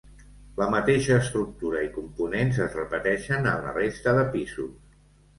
La mateixa estructura i components es repeteixen en la resta de pisos.